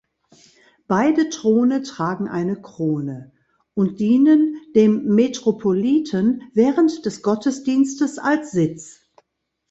Beide Throne tragen eine Krone und dienen dem Metropoliten während des Gottesdienstes als Sitz.